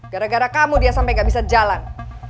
gara gara kamu dia sampai gak bisa jalan